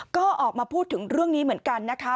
ก็ออกมาพูดถึงเรื่องนี้เหมือนกันนะคะ